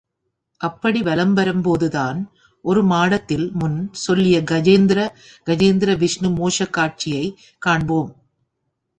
அப்படி வலம் வரும்போதுதான், ஒருமாடத்தில் முன் சொல்லிய கஜேந்திர கஜேந்திர விஷ்ணு மோக்ஷக் காட்சியைக் காண்போம்.